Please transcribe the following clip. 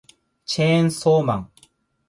チェーンソーマン